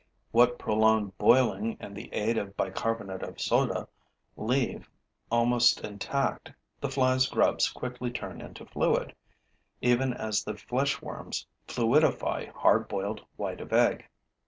What prolonged boiling and the aid of bicarbonate of soda leave almost intact the fly's grubs quickly turn into fluid, even as the flesh worms fluidify hard boiled white of egg.